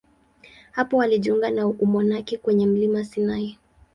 Hapo alijiunga na umonaki kwenye mlima Sinai.